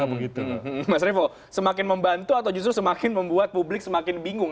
mas revo semakin membantu atau justru semakin membuat publik semakin bingung